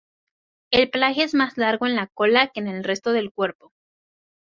El pelaje es más largo en la cola que en el resto del cuerpo.